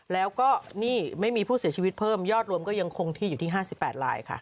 แล้วก็นี่ไม่มีผู้เสียชีวิตเพิ่มยอดรวมก็ยังคงที่อยู่ที่๕๘ลายค่ะ